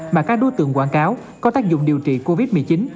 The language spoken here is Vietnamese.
mà các đối tượng quảng cáo có tác dụng điều trị covid một mươi chín